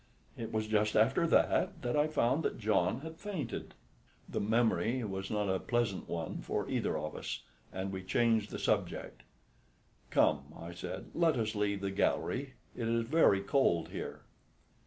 It was just after that I found that John had fainted." The memory was not a pleasant one for either of us and we changed the subject. "Come," I said, "let us leave the gallery, it is very cold here."